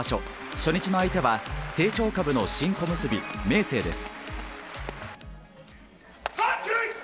初日の相手は、成長株の新小結・明生です。